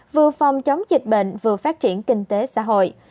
vừa phòng chống dịch bệnh vừa phát triển kinh tế xã hội